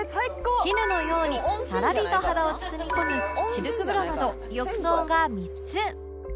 絹のようにさらりと肌を包み込むシルク風呂など浴槽が３つ